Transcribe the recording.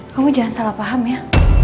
kamu jangan salah paham ya